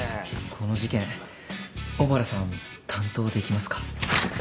この事件小原さん担当できますか？